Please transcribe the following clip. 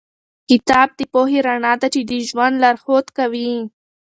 کتاب د پوهې رڼا ده چې د ژوند لارښود کوي.